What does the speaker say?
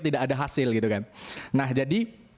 tidak ada hasil gitu kan nah jadi